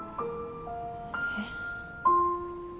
えっ。